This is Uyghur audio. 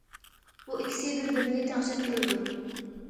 بۇ ئىككىسى بىر- بىرىنى تەڭشەپ تۇرىدۇ.